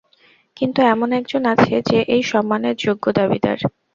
কিন্তু এমন একজন আছে যে এই সম্মানের যোগ্য দাবিদার।